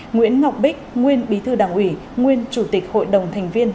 nguyễn ngọc bích nguyên bí thư đảng ủy nguyên chủ tịch hội đồng thành viên